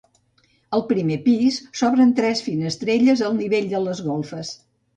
Al primer pis s'obren tres finestrelles al nivell de les golfes.